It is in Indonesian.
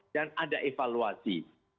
dan ada evaluasi